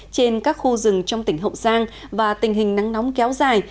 trên các khu rừng trong tỉnh hậu giang và tình hình nắng nóng kéo dài